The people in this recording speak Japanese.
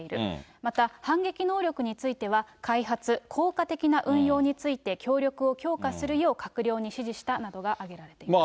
また反撃能力については、開発、効果的な運用について協力を強化するよう閣僚に指示したなどが挙げられています。